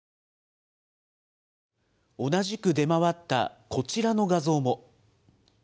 同じく出回ったこちらの画像も。